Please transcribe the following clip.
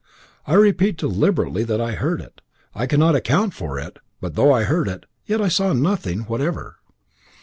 I repeat deliberately that I heard it I cannot account for it but, though I heard it, yet I saw nothing whatever.